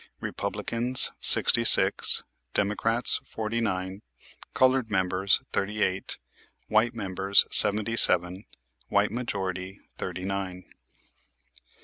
Republicans, sixty six; Democrats, forty nine. Colored members, thirty eight. White members, seventy seven. White majority, thirty nine.